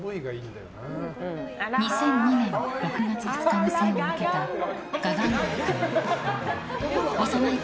２００２年６月２日に生を受けた我蛾ん坊君。